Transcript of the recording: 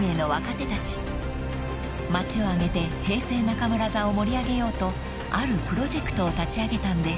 ［街を挙げて平成中村座を盛り上げようとあるプロジェクトを立ち上げたんです］